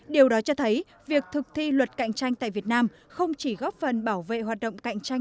điều đó cho thấy việc thực thi luật cạnh tranh tại việt nam không chỉ góp phần bảo vệ hoạt động cạnh tranh